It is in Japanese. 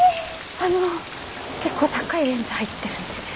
あの結構高いレンズ入ってるんですよね。